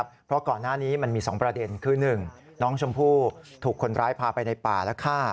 เพราะก่อนหน้านี้มันมี๒ประเด็นคือ๑น้องชมพู่ถูกคนร้ายพาไปในป่าและฆ่า